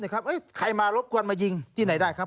ใครมารบกวนมายิงที่ไหนได้ครับ